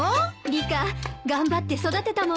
リカ頑張って育てたもんね。